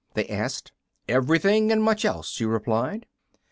they asked. "Everything, and much else," she replied.